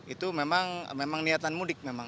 itu memang niatan mudik